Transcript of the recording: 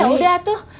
ya udah tuh